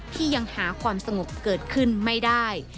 ที่ยังหาความสงบเกิดขึ้นไม่ได้